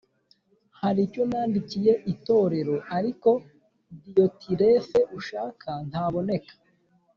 Hari icyo nandikiye itorero ariko diyotirefe ushaka ntaboneka